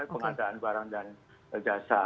pengadaan barang dan jasa